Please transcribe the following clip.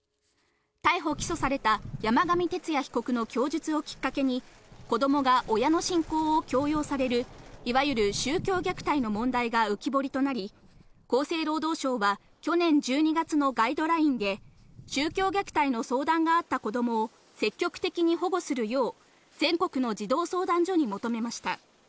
逮捕・起訴された山上徹也被告の供述をきっかけに、子どもが親の信仰を強要される、いわゆる宗教虐待の問題が浮き彫りとなり、厚生労働省は去年１２月のガイドラインで宗教虐待の相談があった子どもを積極的に保護するよう全国の児童相談所に求めました。